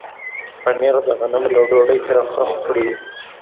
پنېر د غنمو له ډوډۍ سره ښه خوري.